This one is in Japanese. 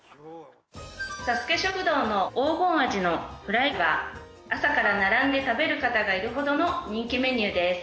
さすけ食堂の黄金アジのフライは朝から並んで食べる方がいるほどの人気メニューです。